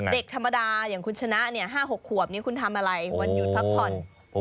เด็กธรรมดาอย่างคุณชนะ๕๖ขวบนี้คุณทำอะไรวันหยุดพักผ่อน